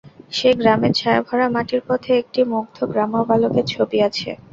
সে গ্রামের ছায়া-ভরা মাটির পথে একটি মুগ্ধ গ্রাম্য বালকের ছবি আছে।